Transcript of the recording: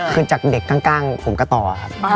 คือจะเด็กก็ข้างผมกะต่อครับ